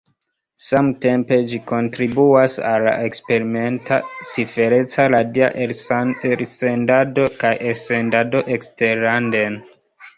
Samtempe ĝi kontribuas al la eksperimenta cifereca radia elsendado kaj elsendado eksterlanden.